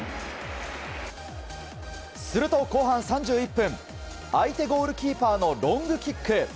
すると後半３１分相手ゴールキーパーのロングキック。